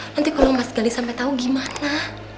nanti kalau mas gali sampe tau gimana